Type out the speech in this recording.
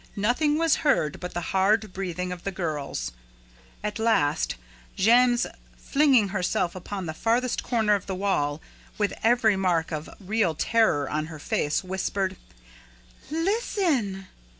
Nothing was heard but the hard breathing of the girls. At last, Jammes, flinging herself upon the farthest corner of the wall, with every mark of real terror on her face, whispered: "Listen!"